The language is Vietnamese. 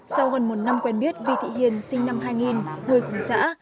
sau gần một năm quen biết vi thị hiền sinh năm hai nghìn người cùng xã